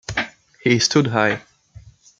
He stood high.